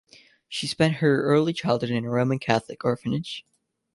She spent her early childhood in a Roman Catholic orphanage.